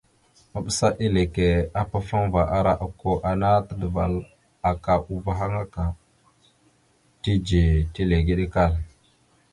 Maɓəsa eleke apafaŋva ara okko ana tadəval aka uvah aŋa ka tidze, tilegeɗəkal.